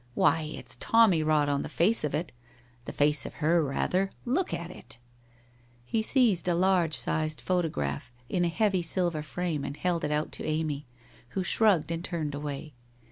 Why, it's tommy rot on the face of it— the face of her, rather ! Look at it !' He seized a large sized photograph in a heavy silver frame and held it out to Amy, who shrugged and turned away.